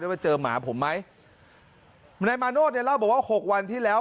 ด้วยว่าเจอหมาผมไหมในมาโน้ตเนี่ยเราบอกว่าหกวันที่แล้ว